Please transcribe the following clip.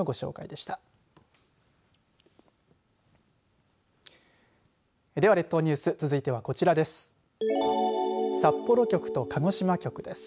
では、列島ニュース続いてはこちらです。